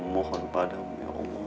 mohon padam ya allah